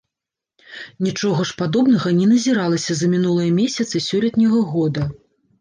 Нічога ж падобнага не назіралася за мінулыя месяцы сёлетняга года.